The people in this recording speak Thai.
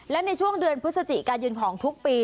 และในช่วงเดือนพฤศจิกายนของทุกปี